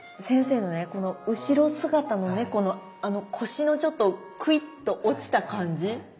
先生のねこの後ろ姿のねこの腰のちょっとくいっと落ちた感じ。